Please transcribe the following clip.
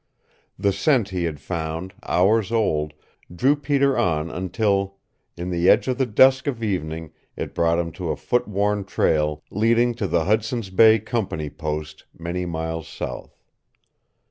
The scent he had found, hours old, drew Peter on until in the edge of the dusk of evening it brought him to a foot worn trail leading to the Hudson's Bay Company post many miles south.